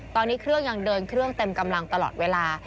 ตอนนี้เครื่องยังเดินเครื่องเต็มกำลังตลอดเวลา